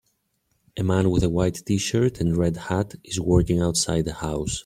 A man with a white tshirt and red hat is working outside a house.